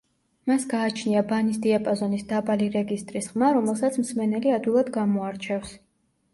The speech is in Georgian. მას გააჩნია ბანის დიაპაზონის დაბალი რეგისტრის ხმა, რომელსაც მსმენელი ადვილად გამოარჩევს.